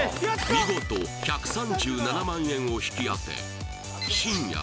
見事１３７万円を引き当て